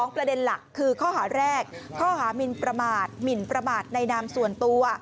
ประเด็นหลักคือข้อหาแรกข้อหามินประมาทหมินประมาทในนามส่วนตัว